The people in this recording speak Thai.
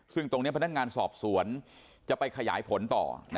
ซึ่งตรงนี้พนักงานสอบสวนจะไปขยายผลต่อ